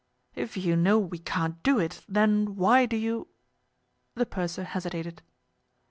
"If you know we can't do it, then why do you—?" The purser hesitated.